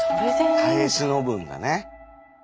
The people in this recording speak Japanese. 耐え忍ぶんだね。